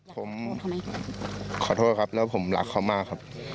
ผมทำไมขอโทษครับแล้วผมรักเขามากครับ